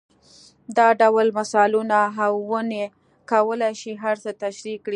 دا ډول مثالونه او ونې کولای شي هر څه تشرېح کړي.